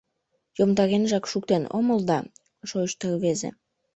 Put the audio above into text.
— Йомдаренжак шуктен омыл да... — шойышто рвезе.